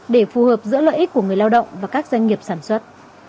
để phù hợp giữa lợi ích của người lao động và các doanh nghiệp sản xuất